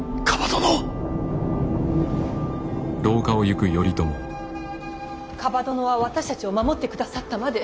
蒲殿は私たちを守ってくださったまで。